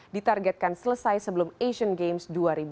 ditargetkan selesai sebelum asian games dua ribu delapan belas